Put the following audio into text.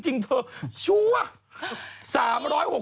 จริงชัวร์